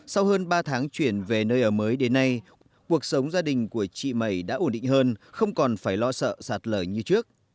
sau hơn ba tháng chuyển về nơi ở mới đến nay cuộc sống gia đình của chị mẩy đã ổn định hơn không còn phải lo sợ sạt lở như trước